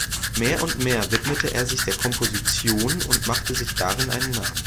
Mehr und mehr widmete er sich der Komposition und machte sich darin einen Namen.